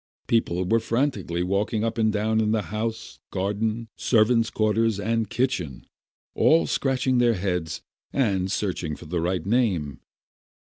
People were frantically walking up and down in the house, garden, servants 9 quarters, and kitchen, all scratching their heads, and searching for the right name.